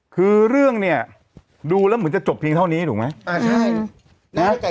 คือเรื่องเนี่ยดูแล้วเหมือนจะจบเพียงเท่านี้ถูกไหม